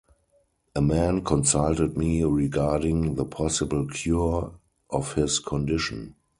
A man consulted me regarding the possible cure of his condition.